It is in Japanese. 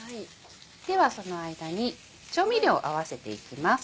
ではその間に調味料合わせていきます。